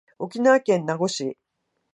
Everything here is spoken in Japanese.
沖縄県名護市